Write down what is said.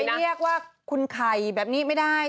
เรียกว่าคุณไข่แบบนี้ไม่ได้